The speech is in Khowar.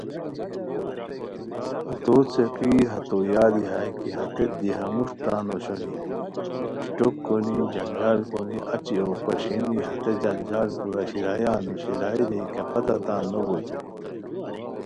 ہتو څیقی ہتویادی ہائےکی ہتیت دی ہموݰ تان اوشونی، اِشٹوک کونی، جنجال کونی اچی ایغو خیݰئینی ہتے جنجال کورا شیرایا نوشیرائے رے کیہ پتہ تان نوبوئے